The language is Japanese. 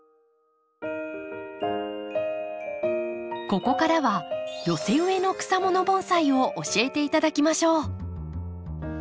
ここからは寄せ植えの草もの盆栽を教えて頂きましょう。